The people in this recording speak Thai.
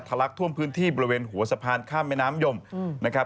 ลักท่วมพื้นที่บริเวณหัวสะพานข้ามแม่น้ำยมนะครับ